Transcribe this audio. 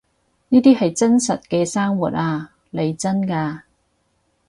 呢啲係真實嘅生活呀，嚟真㗎